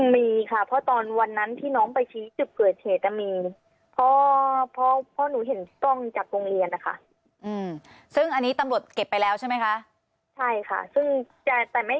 มีค่ะเพราะวันนั้นที่น้องไปชี้จะเกิดเหตุมี